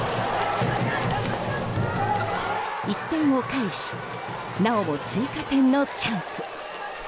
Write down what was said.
１点を返しなおも追加点のチャンス。